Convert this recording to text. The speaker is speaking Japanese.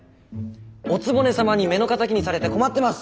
「お局様に目の敵にされて困ってます」。